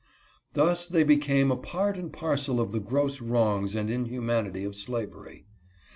Thus they became a part and parcel of the gross wrongs and inhumanity of slavery.